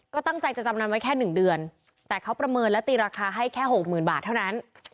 ก็ตั้งใจจะจำนำไว้แค่๑เดือนแต่เขาประเมินและตีราคาให้แค่หกหมื่นบาทเท่านั้น